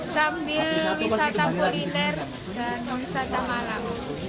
sambil wisata kuliner dan wisata malam